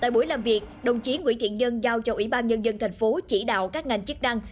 tại buổi làm việc đồng chí nguyễn thiện nhân giao cho ủy ban nhân dân thành phố chỉ đạo các ngành chức năng